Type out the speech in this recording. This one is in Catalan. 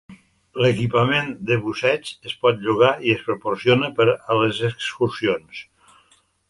L'equipament de busseig es pot llogar i es proporciona per a les excursions.